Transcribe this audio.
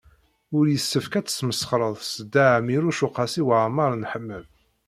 Ur yessefk ad tesmesxreḍ s Dda Ɛmiiruc u Qasi Waɛmer n Ḥmed.